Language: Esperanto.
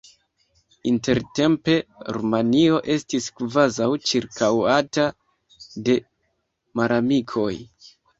Intertempe Rumanio estis kvazaŭ ĉirkaŭata de malamikoj.